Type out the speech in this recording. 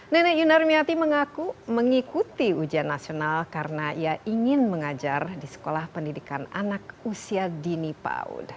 nenek yunarmiati mengaku mengikuti ujian nasional karena ia ingin mengajar di sekolah pendidikan anak usia dini pauda